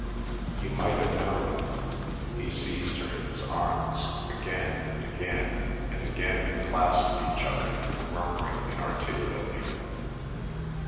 "You might have known." He seized her in his arms; again and again and again they clasped each other, murmuring inarticulately.